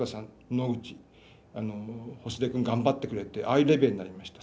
野口星出君が頑張ってくれてああいうレベルになりました。